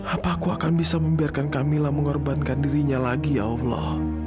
apa aku akan bisa membiarkan kamilah mengorbankan dirinya lagi ya allah